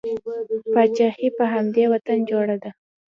پاچاهي په همدې وطن جوړه ده.